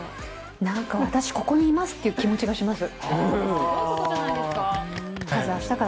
私、ここにいますっていう気持ちがします。